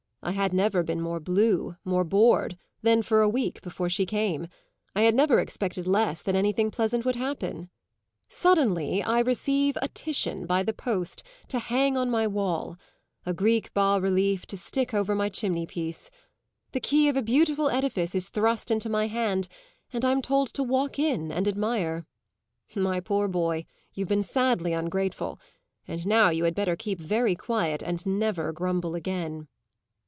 I had never been more blue, more bored, than for a week before she came; I had never expected less that anything pleasant would happen. Suddenly I receive a Titian, by the post, to hang on my wall a Greek bas relief to stick over my chimney piece. The key of a beautiful edifice is thrust into my hand, and I'm told to walk in and admire. My poor boy, you've been sadly ungrateful, and now you had better keep very quiet and never grumble again."